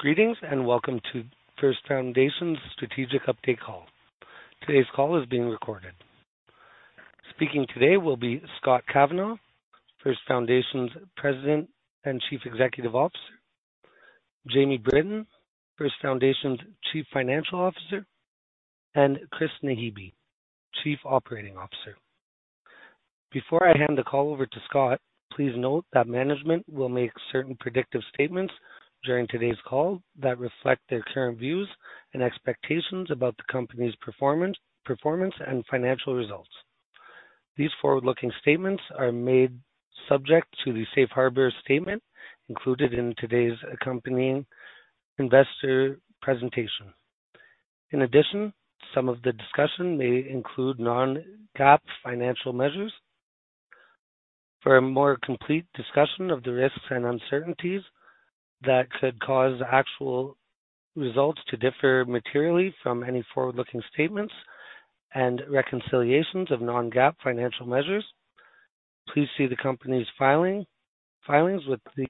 Greetings and welcome to First Foundation's Strategic update call. Today's call is being recorded. Speaking today will be Scott Kavanaugh, First Foundation's President and Chief Executive Officer, Jamie Britton, First Foundation's Chief Financial Officer, and Chris Naghibi, Chief Operating Officer. Before I hand the call over to Scott, please note that management will make certain predictive statements during today's call that reflect their current views and expectations about the company's performance and financial results. These forward-looking statements are made subject to the Safe Harbor statement included in today's accompanying investor presentation. In addition, some of the discussion may include non-GAAP financial measures. For a more complete discussion of the risks and uncertainties that could cause actual results to differ materially from any forward-looking statements and reconciliations of non-GAAP financial measures, please see the company's filings with the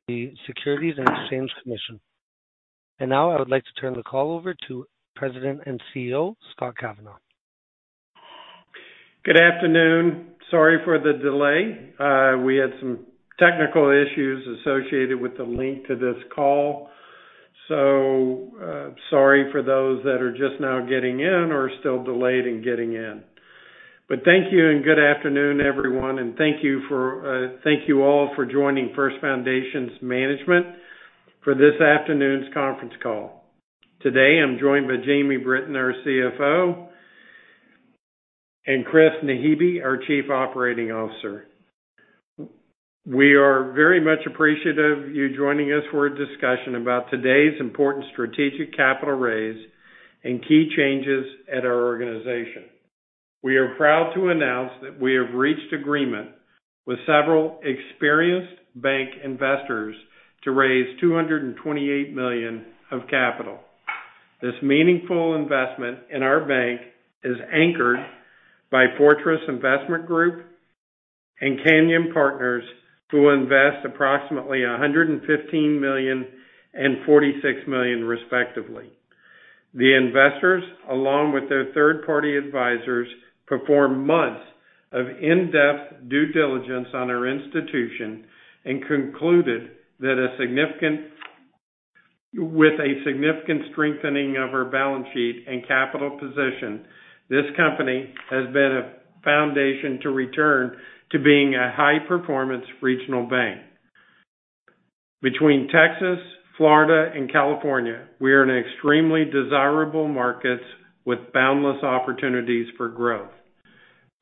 Securities and Exchange Commission. Now I would like to turn the call over to President and CEO Scott Kavanaugh. Good afternoon. Sorry for the delay. We had some technical issues associated with the link to this call, so sorry for those that are just now getting in or still delayed in getting in. But thank you and good afternoon, everyone, and thank you all for joining First Foundation's management for this afternoon's conference call. Today I'm joined by Jamie Britton, our CFO, and Chris Naghibi, our Chief Operating Officer. We are very much appreciative of you joining us for a discussion about today's important strategic capital raise and key changes at our organization. We are proud to announce that we have reached agreement with several experienced bank investors to raise $228 million of capital. This meaningful investment in our bank is anchored by Fortress Investment Group and Canyon Partners, who invest approximately $115 million and $46 million, respectively. The investors, along with their third-party advisors, performed months of in-depth due diligence on our institution and concluded that with a significant strengthening of our balance sheet and capital position, this company has been a foundation to return to being a high-performance regional bank. Between Texas, Florida, and California, we are in extremely desirable markets with boundless opportunities for growth.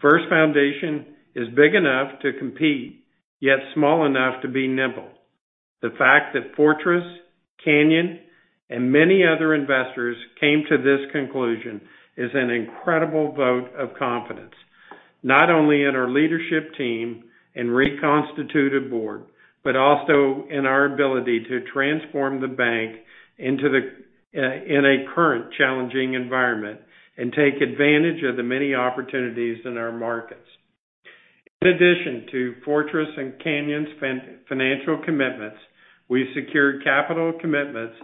First Foundation is big enough to compete, yet small enough to be nimble. The fact that Fortress, Canyon, and many other investors came to this conclusion is an incredible vote of confidence, not only in our leadership team and reconstituted board, but also in our ability to transform the bank into a current challenging environment and take advantage of the many opportunities in our markets. In addition to Fortress and Canyon's financial commitments, we secured capital commitments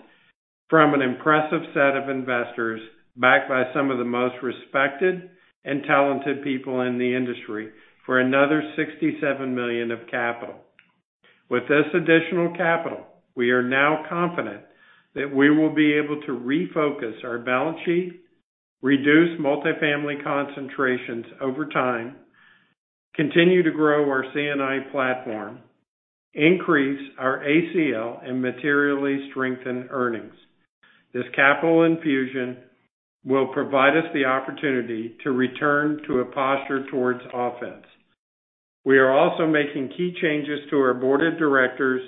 from an impressive set of investors backed by some of the most respected and talented people in the industry for another $67 million of capital. With this additional capital, we are now confident that we will be able to refocus our balance sheet, reduce multifamily concentrations over time, continue to grow our C&I platform, increase our ACL, and materially strengthen earnings. This capital infusion will provide us the opportunity to return to a posture towards offense. We are also making key changes to our board of directors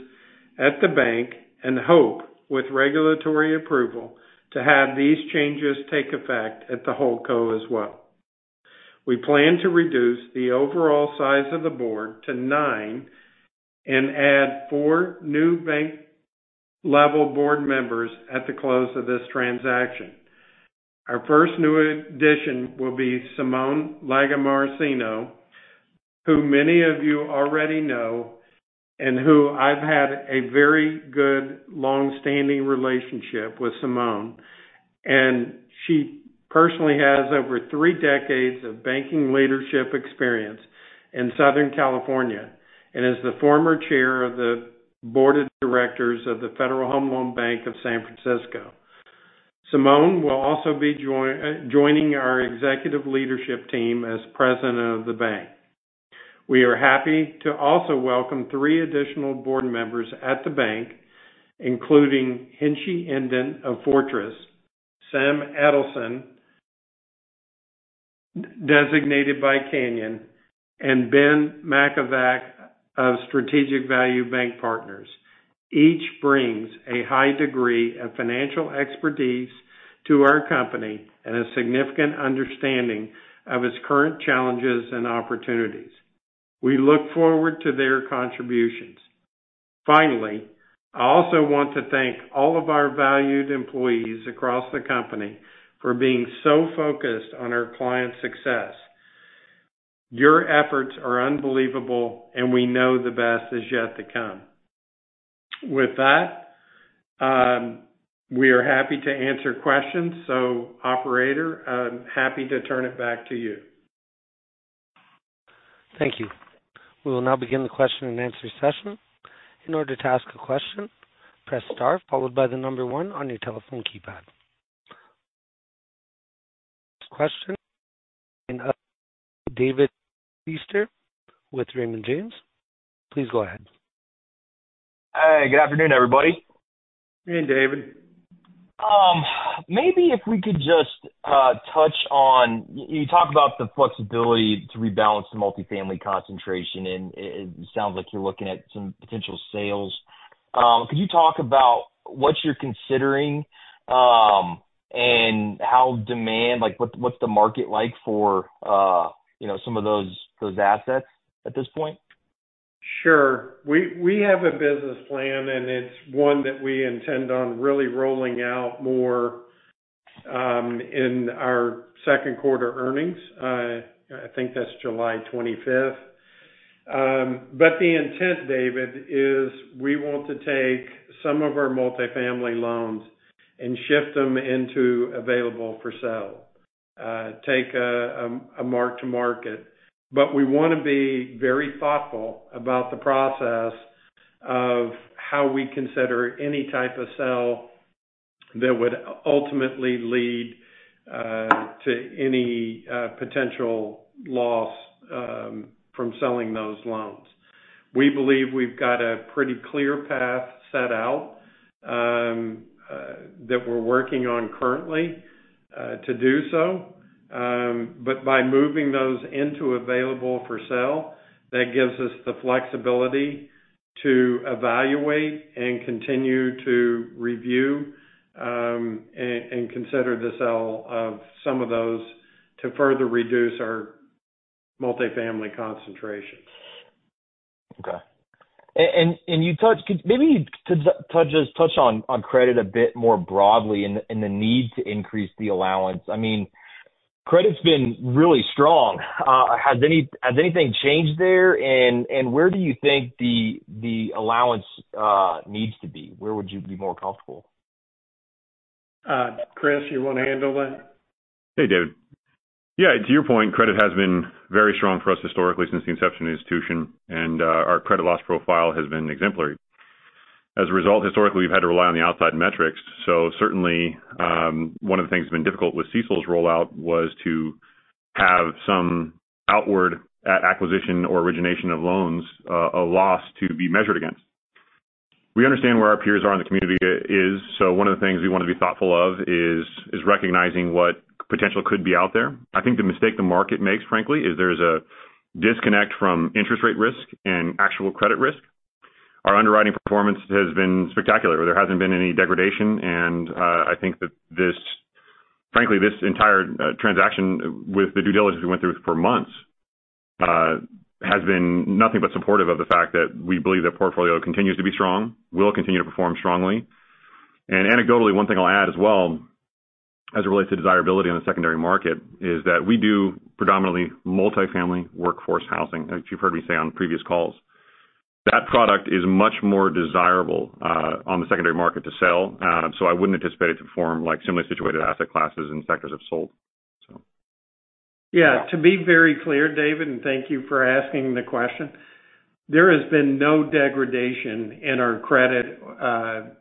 at the bank and hope, with regulatory approval, to have these changes take effect at the whole company as well. We plan to reduce the overall size of the board to nine and add four new bank-level board members at the close of this transaction. Our first new addition will be Simone Lagomarsino, who many of you already know and who I've had a very good long-standing relationship with. Simone, and she personally has over three decades of banking leadership experience in Southern California and is the former chair of the board of directors of the Federal Home Loan Bank of San Francisco. Simone will also be joining our executive leadership team as president of the bank. We are happy to also welcome three additional board members at the bank, including Hennessy Inden of Fortress, Sam Edelson, designated by Canyon, and Ben Kovach of Strategic Value Bank Partners. Each brings a high degree of financial expertise to our company and a significant understanding of its current challenges and opportunities. We look forward to their contributions. Finally, I also want to thank all of our valued employees across the company for being so focused on our client success. Your efforts are unbelievable, and we know the best is yet to come. With that, we are happy to answer questions. So, Operator, I'm happy to turn it back to you. Thank you. We will now begin the question and answer session. In order to ask a question, press star followed by the number one on your telephone keypad. Next question in David Feaster with Raymond James. Please go ahead. Hey, good afternoon, everybody. Hey, David. Maybe if we could just touch on you talk about the flexibility to rebalance the multifamily concentration, and it sounds like you're looking at some potential sales. Could you talk about what you're considering and how demand, what's the market like for some of those assets at this point? Sure. We have a business plan, and it's one that we intend on really rolling out more in our second quarter earnings. I think that's July 25th. But the intent, David, is we want to take some of our multi-family loans and shift them into available for sale, take a mark-to-market. But we want to be very thoughtful about the process of how we consider any type of sale that would ultimately lead to any potential loss from selling those loans. We believe we've got a pretty clear path set out that we're working on currently to do so. But by moving those into available for sale, that gives us the flexibility to evaluate and continue to review and consider the sale of some of those to further reduce our multi-family concentration. Okay. And you touched maybe you could touch on credit a bit more broadly and the need to increase the allowance. I mean, credit's been really strong. Has anything changed there? And where do you think the allowance needs to be? Where would you be more comfortable? Chris, you want to handle that? Hey, David. Yeah, to your point, credit has been very strong for us historically since the inception of the institution, and our credit loss profile has been exemplary. As a result, historically, we've had to rely on the outside metrics. So certainly, one of the things that's been difficult with CECL's rollout was to have some outward acquisition or origination of loans, a loss to be measured against. We understand where our peers are in the community it is. So one of the things we want to be thoughtful of is recognizing what potential could be out there. I think the mistake the market makes, frankly, is there is a disconnect from interest rate risk and actual credit risk. Our underwriting performance has been spectacular. There hasn't been any degradation. And I think that, frankly, this entire transaction with the due diligence we went through for months has been nothing but supportive of the fact that we believe the portfolio continues to be strong, will continue to perform strongly. And anecdotally, one thing I'll add as well as it relates to desirability on the secondary market is that we do predominantly multi-family workforce housing, as you've heard me say on previous calls. That product is much more desirable on the secondary market to sell. So I wouldn't anticipate it to perform like similarly situated asset classes in sectors of sold, so. Yeah. To be very clear, David, and thank you for asking the question, there has been no degradation in our credit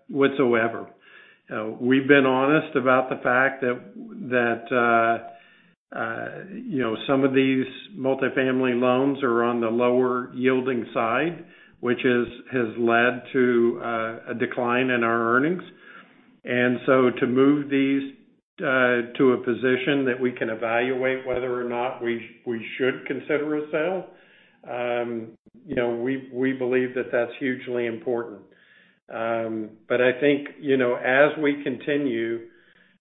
whatsoever. We've been honest about the fact that some of these multi-family loans are on the lower yielding side, which has led to a decline in our earnings. And so to move these to a position that we can evaluate whether or not we should consider a sale, we believe that that's hugely important. But I think as we continue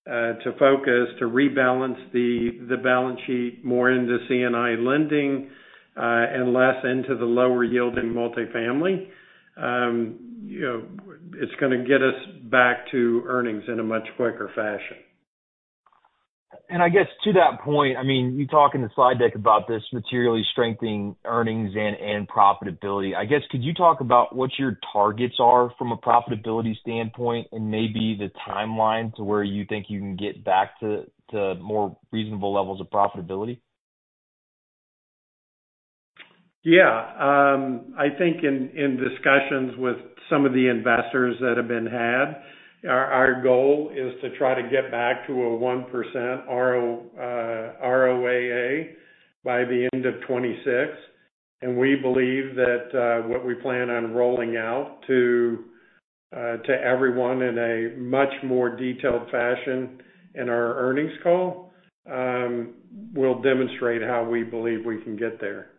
to focus to rebalance the balance sheet more into C&I lending and less into the lower yielding multi-family, it's going to get us back to earnings in a much quicker fashion. I guess to that point, I mean, you talk in the slide deck about this materially strengthening earnings and profitability. I guess could you talk about what your targets are from a profitability standpoint and maybe the timeline to where you think you can get back to more reasonable levels of profitability? Yeah. I think in discussions with some of the investors that have been had, our goal is to try to get back to a 1% ROAA by the end of 2026. We believe that what we plan on rolling out to everyone in a much more detailed fashion in our earnings call will demonstrate how we believe we can get there.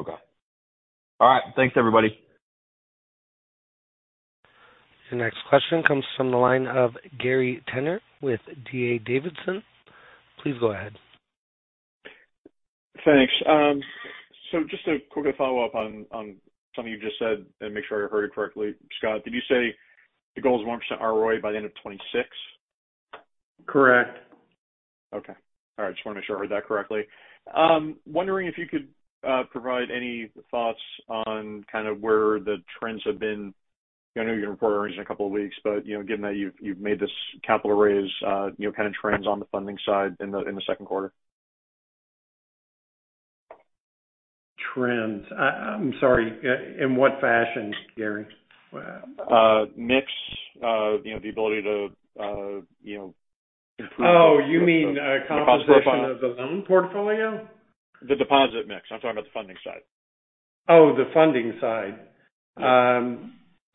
Okay. All right. Thanks, everybody. The next question comes from the line of Gary Tenner with D.A. Davidson. Please go ahead. Thanks. So just a quick follow-up on something you just said and make sure I heard it correctly, Scott. Did you say the goal is 1% ROA by the end of 2026? Correct. Okay. All right. Just want to make sure I heard that correctly. Wondering if you could provide any thoughts on kind of where the trends have been. I know you're going to report earnings in a couple of weeks, but given that you've made this capital raise, kind of trends on the funding side in the second quarter? Trends. I'm sorry. In what fashion, Gary? Mix. The ability to improve the. Oh, you mean composition of the loan portfolio? The deposit mix. I'm talking about the funding side. Oh, the funding side.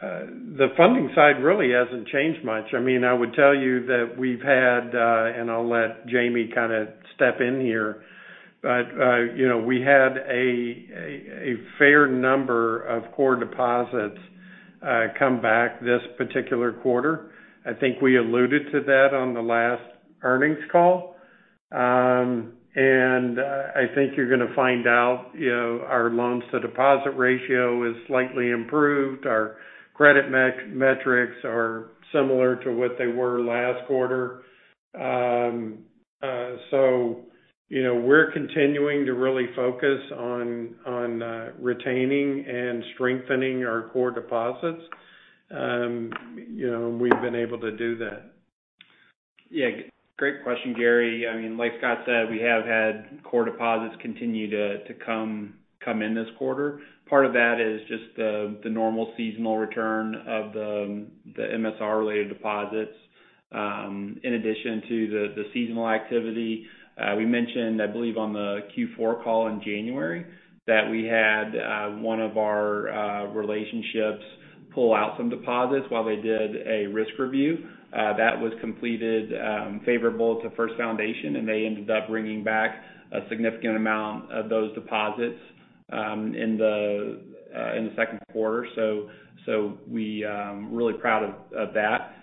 The funding side really hasn't changed much. I mean, I would tell you that we've had, and I'll let Jamie kind of step in here, but we had a fair number of core deposits come back this particular quarter. I think we alluded to that on the last earnings call. And I think you're going to find out our loans-to-deposits ratio is slightly improved. Our credit metrics are similar to what they were last quarter. So we're continuing to really focus on retaining and strengthening our core deposits. And we've been able to do that. Yeah. Great question, Gary. I mean, like Scott said, we have had core deposits continue to come in this quarter. Part of that is just the normal seasonal return of the MSR-related deposits in addition to the seasonal activity. We mentioned, I believe, on the Q4 call in January that we had one of our relationships pull out some deposits while they did a risk review. That was completed favorable to First Foundation, and they ended up bringing back a significant amount of those deposits in the second quarter. So we're really proud of that.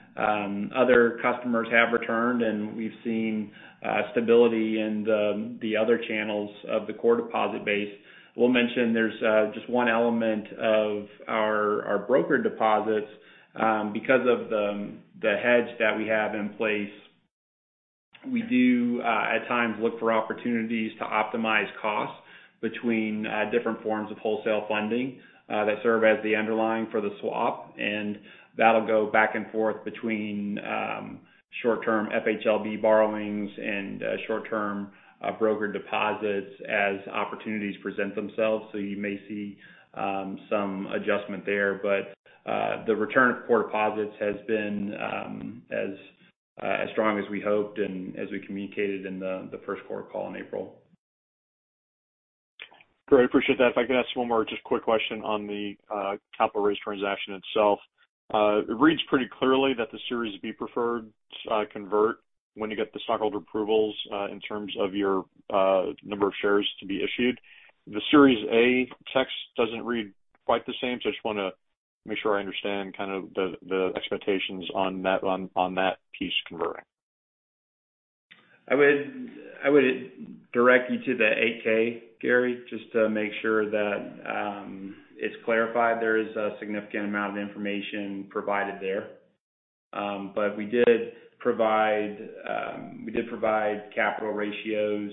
Other customers have returned, and we've seen stability in the other channels of the core deposit base. We'll mention there's just one element of our brokered deposits. Because of the hedge that we have in place, we do at times look for opportunities to optimize costs between different forms of wholesale funding that serve as the underlying for the swap. And that'll go back and forth between short-term FHLB borrowings and short-term brokered deposits as opportunities present themselves. So you may see some adjustment there. But the return of core deposits has been as strong as we hoped and as we communicated in the first quarter call in April. Great. Appreciate that. If I could ask one more just quick question on the capital raise transaction itself. It reads pretty clearly that the Series B preferred convert when you get the stockholder approvals in terms of your number of shares to be issued. The Series A text doesn't read quite the same. So I just want to make sure I understand kind of the expectations on that piece converting. I would direct you to the 8-K, Gary, just to make sure that it's clarified. There is a significant amount of information provided there. But we did provide capital ratios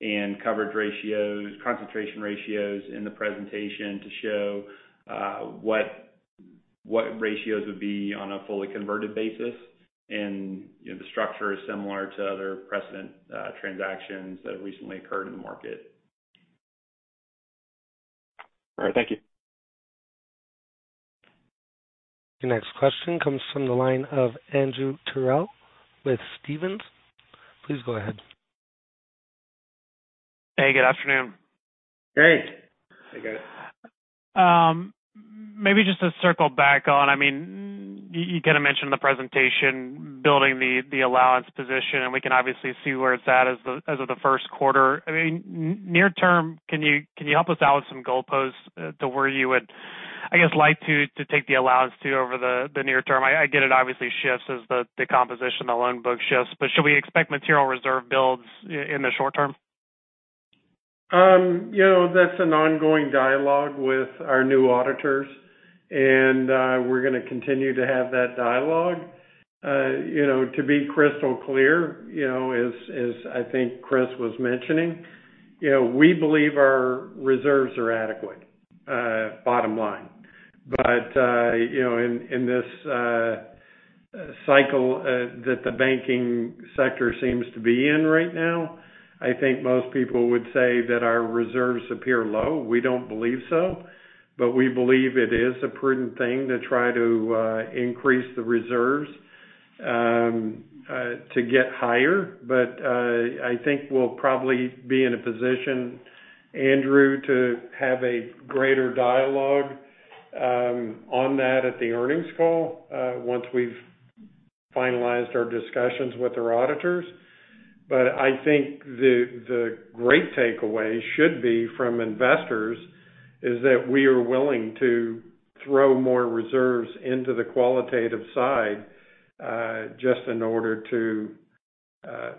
and coverage ratios, concentration ratios in the presentation to show what ratios would be on a fully converted basis. The structure is similar to other precedent transactions that have recently occurred in the market. All right. Thank you. The next question comes from the line of Andrew Terrell with Stephens. Please go ahead. Hey, good afternoon. Hey. Hey, Andrew. Maybe just to circle back on, I mean, you kind of mentioned the presentation, building the allowance position, and we can obviously see where it's at as of the first quarter. I mean, near term, can you help us out with some goalposts to where you would, I guess, like to take the allowance to over the near term? I get it obviously shifts as the composition of the loan book shifts. But should we expect material reserve builds in the short term? That's an ongoing dialogue with our new auditors. We're going to continue to have that dialogue. To be crystal clear, as I think Chris was mentioning, we believe our reserves are adequate, bottom line. In this cycle that the banking sector seems to be in right now, I think most people would say that our reserves appear low. We don't believe so. We believe it is a prudent thing to try to increase the reserves to get higher. I think we'll probably be in a position, Andrew, to have a greater dialogue on that at the earnings call once we've finalized our discussions with our auditors. But I think the great takeaway should be from investors is that we are willing to throw more reserves into the qualitative side just in order to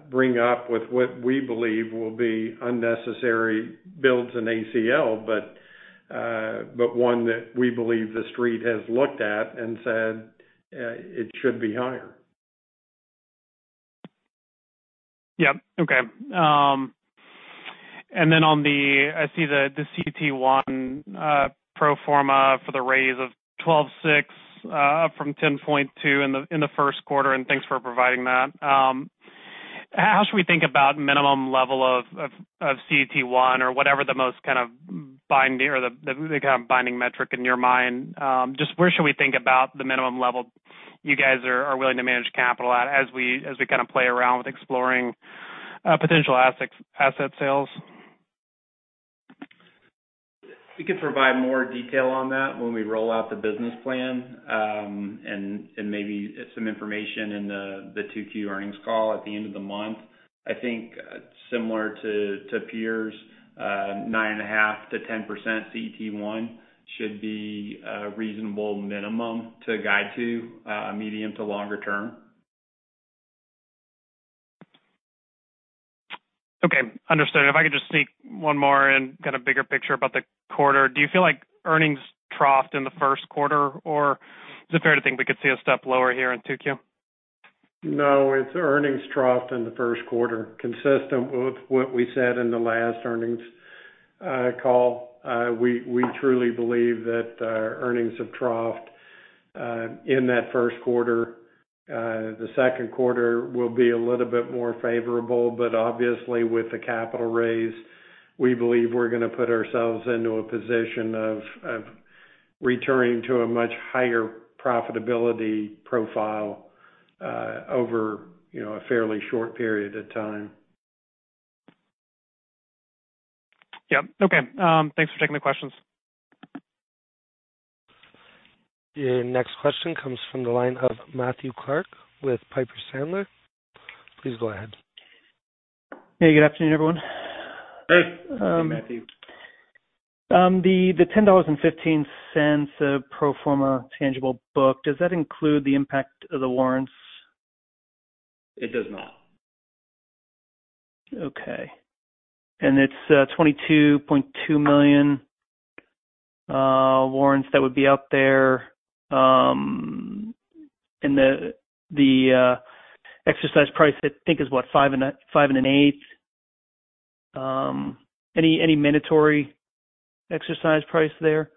bring up with what we believe will be unnecessary builds in ACL, but one that we believe the street has looked at and said it should be higher. Yep. Okay. And then on the, I see the CET1 pro forma for the raise of 12.6 up from 10.2 in the first quarter. And thanks for providing that. How should we think about minimum level of CET1 or whatever the most kind of binding or the kind of binding metric in your mind? Just where should we think about the minimum level you guys are willing to manage capital at as we kind of play around with exploring potential asset sales? We can provide more detail on that when we roll out the business plan and maybe some information in the 2Q earnings call at the end of the month. I think similar to peers, 9.5%-10% CET1 should be a reasonable minimum to guide to medium to longer term. Okay. Understood. If I could just sneak one more in, kind of bigger picture about the quarter, do you feel like earnings troughed in the first quarter, or is it fair to think we could see a step lower here in 2Q? No, it's earnings troughed in the first quarter, consistent with what we said in the last earnings call. We truly believe that earnings have troughed in that first quarter. The second quarter will be a little bit more favorable. But obviously, with the capital raise, we believe we're going to put ourselves into a position of returning to a much higher profitability profile over a fairly short period of time. Yep. Okay. Thanks for taking the questions. The next question comes from the line of Matthew Clark with Piper Sandler. Please go ahead. Hey, good afternoon, everyone. Hey. Hey, Matthew. The $10.15 pro forma tangible book, does that include the impact of the warrants? It does not. Okay. And it's $22.2 million warrants that would be up there. And the exercise price, I think, is what, $5.125. Any mandatory exercise price there?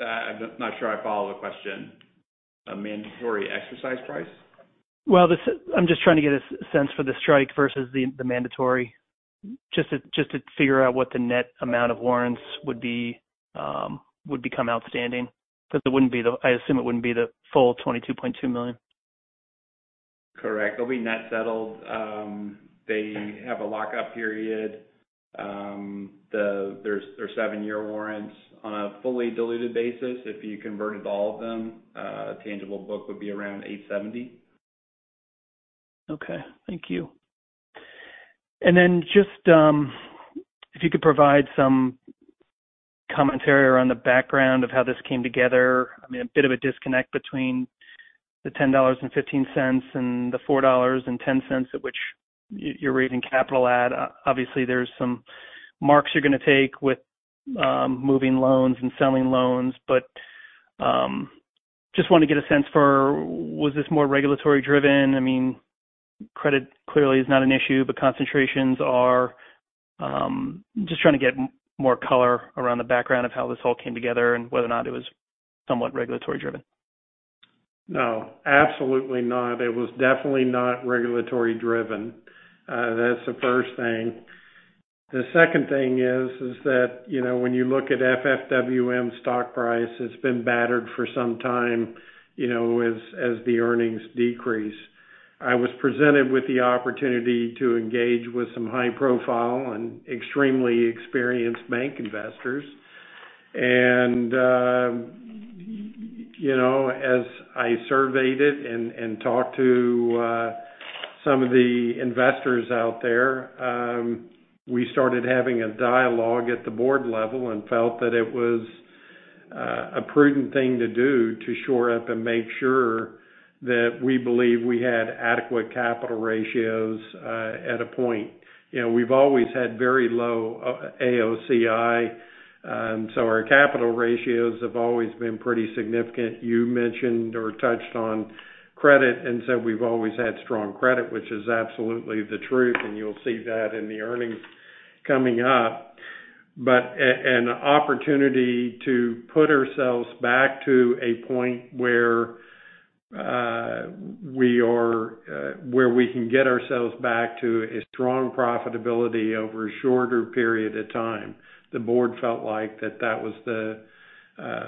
I'm not sure I follow the question. A mandatory exercise price? Well, I'm just trying to get a sense for the strike versus the mandatory, just to figure out what the net amount of warrants would become outstanding. Because it wouldn't be the, I assume it wouldn't be the full $22.2 million. Correct. They'll be net settled. They have a lockup period. They're 7-year warrants. On a fully diluted basis, if you converted all of them, tangible book would be around $8.70. Okay. Thank you. And then just if you could provide some commentary around the background of how this came together. I mean, a bit of a disconnect between the $10.15 and the $4.10 at which you're raising capital at. Obviously, there's some marks you're going to take with moving loans and selling loans. But just want to get a sense for was this more regulatory driven? I mean, credit clearly is not an issue, but concentrations are just trying to get more color around the background of how this all came together and whether or not it was somewhat regulatory driven. No. Absolutely not. It was definitely not regulatory driven. That's the first thing. The second thing is that when you look at FFWM stock price, it's been battered for some time as the earnings decrease. I was presented with the opportunity to engage with some high-profile and extremely experienced bank investors. And as I surveyed it and talked to some of the investors out there, we started having a dialogue at the board level and felt that it was a prudent thing to do to shore up and make sure that we believe we had adequate capital ratios at a point. We've always had very low AOCI. So our capital ratios have always been pretty significant. You mentioned or touched on credit. And so we've always had strong credit, which is absolutely the truth. And you'll see that in the earnings coming up. But an opportunity to put ourselves back to a point where we can get ourselves back to a strong profitability over a shorter period of time, the board felt like that that was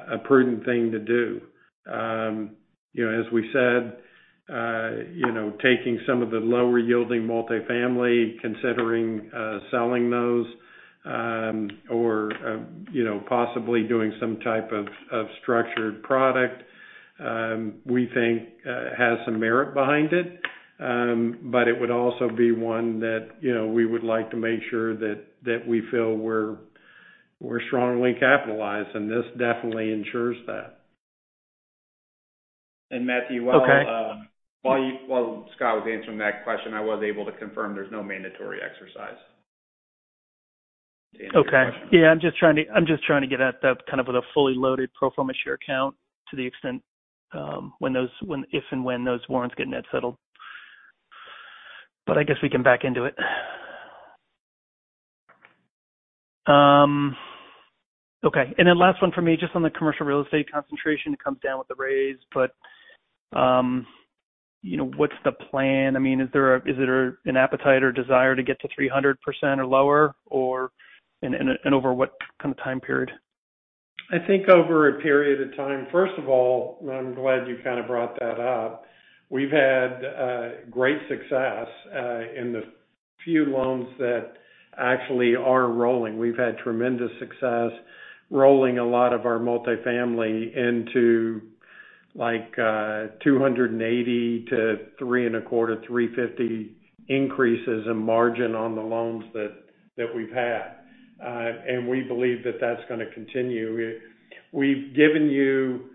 a prudent thing to do. As we said, taking some of the lower-yielding multifamily, considering selling those, or possibly doing some type of structured product, we think has some merit behind it. But it would also be one that we would like to make sure that we feel we're strongly capitalized. And this definitely ensures that. Matthew, while Scott was answering that question, I was able to confirm there's no mandatory exercise to answer that question. Okay. Yeah. I'm just trying to get at kind of a fully loaded pro forma share account to the extent if and when those warrants get net settled. But I guess we can back into it. Okay. And then last one for me, just on the commercial real estate concentration. It comes down with the raise. But what's the plan? I mean, is there an appetite or desire to get to 300% or lower? And over what kind of time period? I think over a period of time. First of all, I'm glad you kind of brought that up. We've had great success in the few loans that actually are rolling. We've had tremendous success rolling a lot of our multifamily into 2.80 to 3.25 to 3.50 increases in margin on the loans that we've had. And we believe that that's going to continue. We've given you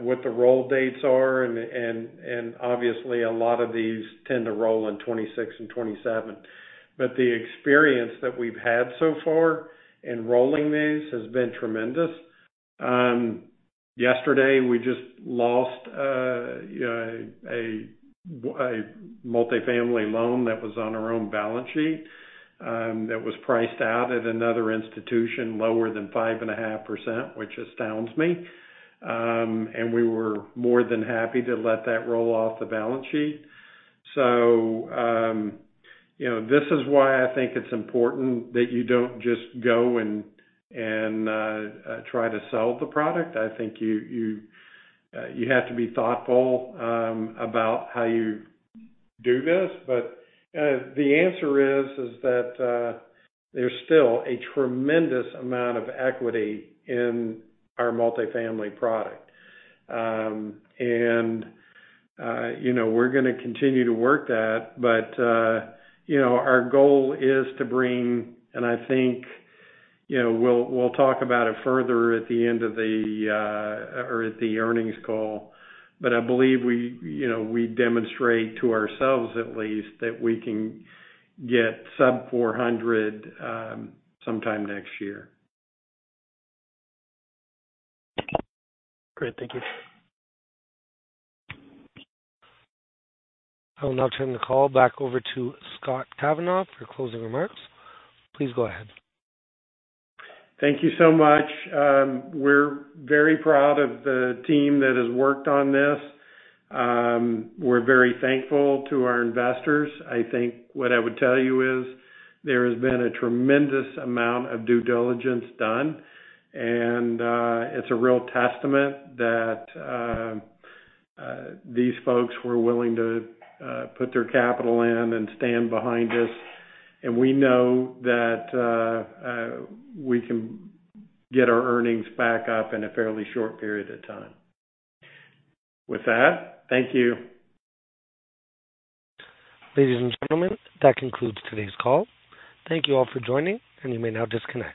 what the roll dates are. And obviously, a lot of these tend to roll in 2026 and 2027. But the experience that we've had so far in rolling these has been tremendous. Yesterday, we just lost a multifamily loan that was on our own balance sheet that was priced out at another institution lower than 5.5%, which astounds me. And we were more than happy to let that roll off the balance sheet. So this is why I think it's important that you don't just go and try to sell the product. I think you have to be thoughtful about how you do this. But the answer is that there's still a tremendous amount of equity in our multifamily product. And we're going to continue to work that. But our goal is to bring and I think we'll talk about it further at the end of the or at the earnings call. But I believe we demonstrate to ourselves, at least, that we can get sub-400 sometime next year. Okay. Great. Thank you. I will now turn the call back over to Scott Kavanaugh for closing remarks. Please go ahead. Thank you so much. We're very proud of the team that has worked on this. We're very thankful to our investors. I think what I would tell you is there has been a tremendous amount of due diligence done. It's a real testament that these folks were willing to put their capital in and stand behind us. We know that we can get our earnings back up in a fairly short period of time. With that, thank you. Ladies and gentlemen, that concludes today's call. Thank you all for joining. You may now disconnect.